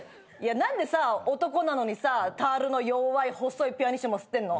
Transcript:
何でさ男なのにさタールの弱い細いピアニッシモ吸ってんの？